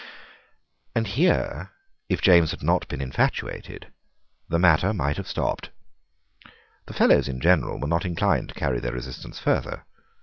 And here, if James had not been infatuated, the matter might have stopped. The Fellows in general were not inclined to carry their resistance further.